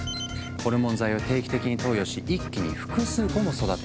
ホルモン剤を定期的に投与し一気に複数個も育てる。